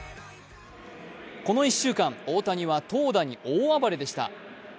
この１週間、大谷は投打に大暴れでした。